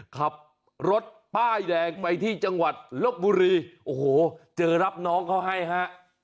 ขับรถป้ายแดงไปที่จังหวัดลบบุรีโอ้โหเจอรับน้องเขาให้ฮะ